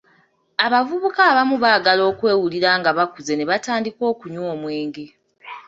Abavubuka abamu baagala okwewulira nga bakuze ne batandika okunywa omwenge.